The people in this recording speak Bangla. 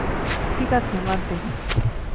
ঠিক আছে, বাদ দে।